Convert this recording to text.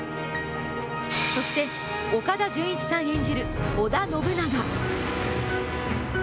そして岡田准一さん演じる織田信長。